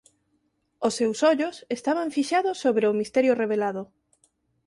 Os seus ollos estaban fixados sobre o misterio revelado.